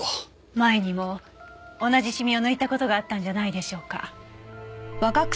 前にも同じシミを抜いた事があったんじゃないでしょうか？